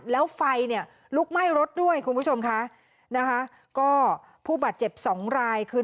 แล้วไฟเนี่ยลุกไหม้รถด้วยคุณผู้ชมค่ะนะคะก็ผู้บาดเจ็บสองรายคือ